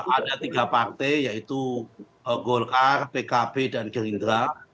ada tiga partai yaitu golkar pkb dan gerindra